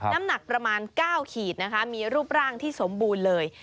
น้ำหนักประมาณ๙ขีดนะคะมีรูปร่างที่สมบูรณ์เลย